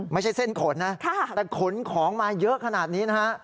ไม่ใช่เส้นขนนะแต่ขนของมาเยอะขนาดนี้นะฮะ